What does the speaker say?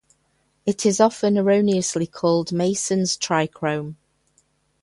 It is often erroneously called Masson's trichrome.